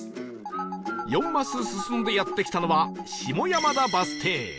４マス進んでやって来たのは下山田バス停